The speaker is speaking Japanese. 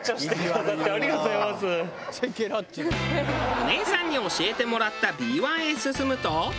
お姉さんに教えてもらったＢ１へ進むと。